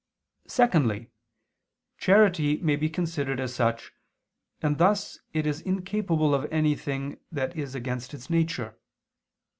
xiv). Secondly, charity may be considered as such, and thus it is incapable of anything that is against its nature.